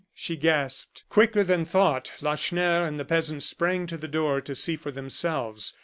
she gasped. Quicker than thought, Lacheneur and the peasant sprang to the door to see for themselves.